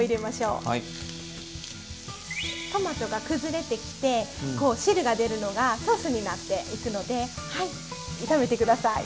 トマトが崩れてきてこう汁が出るのがソースになっていくので炒めて下さい。